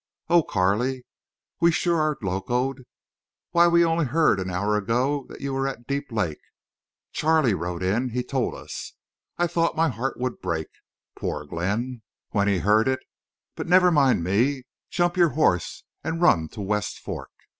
"Oh, Carley, we sure are locoed. ... Why, we only heard an hour ago—that you were at Deep Lake.... Charley rode in. He told us.... I thought my heart would break. Poor Glenn! When he heard it.... But never mind me. Jump your horse and run to West Fork!"